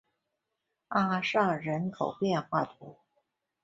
阿尚人口变化图示